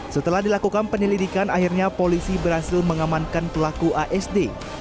setelah dilakukan penyelidikan akhirnya polisi berhasil mengamankan pelaku asd